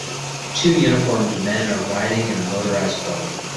Two uniformed men are riding in a motorized boat.